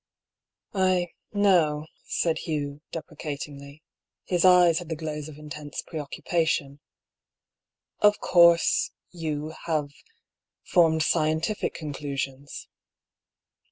"I — know," said Hugh, deprecatingly. His eyes had the glaze of intense preoccupation. "Of — course — you — have formed scientific conclusions.